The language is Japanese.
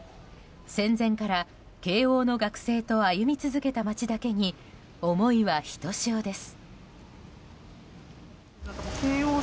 戦前から慶応の学生と歩み続けた街だけに思いはひとしおです。